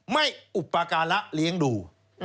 ไม่อุปการะเลี้ยงดู